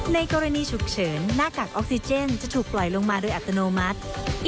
ในกรณีฉุกเฉินหน้ากากออกซิเจนจะถูกปล่อยลงมาโดยอัตโนมัติ